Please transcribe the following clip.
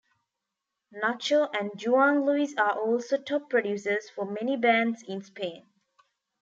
Nacho and Juan Luis are also top producers for many bands in Spain.